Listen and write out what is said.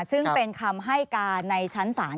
ซึ่งเป็นคำให้การในชั้นศาล